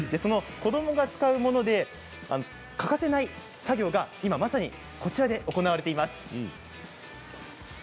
子どもが使うもので欠かせない作業が今まさにこちらで行われています。